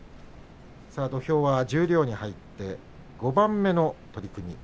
土俵は十両に入って５番目の取組。